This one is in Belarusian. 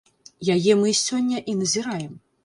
Яе мы сёння і назіраем.